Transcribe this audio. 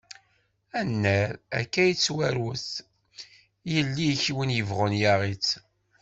Annar, akka i yettarwat, yelli-k win yebɣun yaɣ-itt.